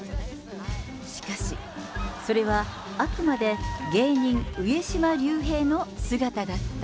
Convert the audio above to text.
しかし、それはあくまで芸人・上島竜兵の姿だった。